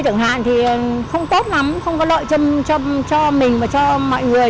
thường hạn thì không tốt lắm không có lợi cho mình và cho mọi người